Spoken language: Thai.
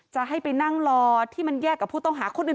จะให้ไปนั่งรอที่มันแยกกับผู้ต้องหาคนอื่น